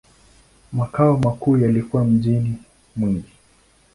Makao makuu yalikuwa mjini Mwingi.